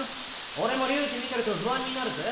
俺も龍二見てると不安になるぜ。